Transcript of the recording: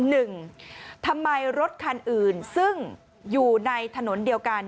หนึ่งทำไมรถคันอื่นซึ่งอยู่ในถนนเดียวกัน